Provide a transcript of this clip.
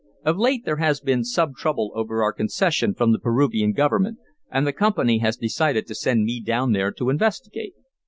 Of late there has been some trouble over our concession from the Peruvian government, and the company has decided to send me down there to investigate.